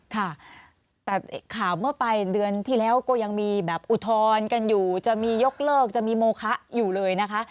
ค่ะแต่ข่าวเมื่อปลายเดือนที่แล้วก็ยังมีแบบอุทธรณ์กันอยู่จะมียกเลิกจะมีโมคะอยู่เลยนะคะ